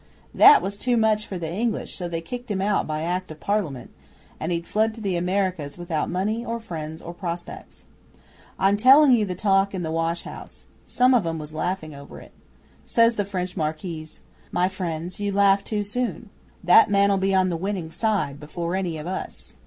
That was too much for the English, so they kicked him out by Act of Parliament, and he'd fled to the Americas without money or friends or prospects. I'm telling you the talk in the washhouse. Some of 'em was laughing over it. Says the French Marquise, "My friends, you laugh too soon. That man 'll be on the winning side before any of us."